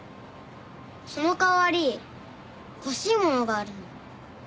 その代わり欲しいものがあるの。